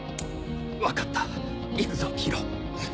分かった行くぞヒロ。